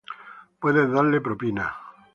Puedes darle propina.